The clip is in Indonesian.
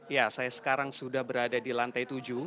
ya saya sekarang sudah berada di lantai tujuh